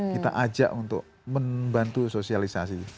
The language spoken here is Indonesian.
kita ajak untuk membantu sosialisasi